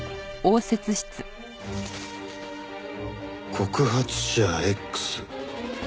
「告発者Ｘ」。